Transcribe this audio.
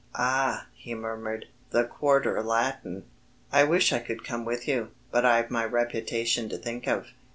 "Ah," he murmured, "the Quartier Latin. I wish I could come with you. But I've my reputation to think of.